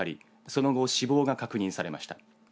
その後、死亡が確認されました。